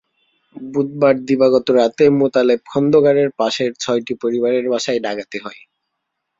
বুধবার দিবাগত রাতে মোতালেব খন্দকারের পাশের ছয়টি পরিবারের বাসায় ডাকাতি হয়।